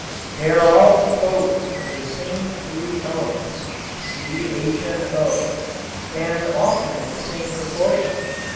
They are all composed of the same three elements, C, H and O, and often in the same proportion.